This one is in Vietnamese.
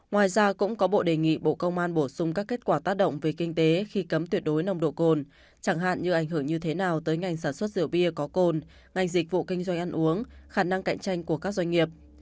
bộ tư pháp cũng đề nghị cơ quan soạn thảo phối hợp với bộ y tế xem xét tính khoa học trong quy định cấm tuyệt đối nồng độ cồn chẳng hạn như ảnh hưởng như thế nào tới ngành sản xuất rượu bia có cồn ngành dịch vụ kinh doanh ăn uống khả năng cạnh tranh của các doanh nghiệp